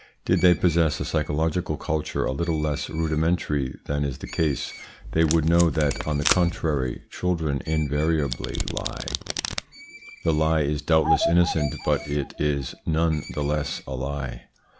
Did they possess a psychological culture a little less rudimentary than is the case they would know that, on the contrary, children invariably lie; the lie is doubtless innocent, but it is none the less a lie.